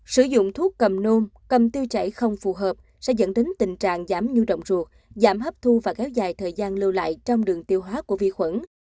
sử dụng thuốc cầm nôm cầm tiêu chảy không phù hợp sẽ dẫn đến tình trạng giảm nhu động ruột giảm hấp thu và kéo dài thời gian lưu lại trong đường tiêu hóa của vi khuẩn